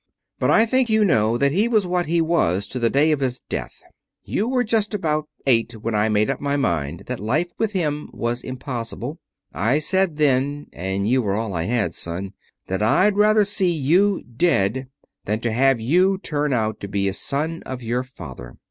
But I think you know that he was what he was to the day of his death. You were just about eight when I made up my mind that life with him was impossible. I said then and you were all I had, son that I'd rather see you dead than to have you turn out to be a son of your father.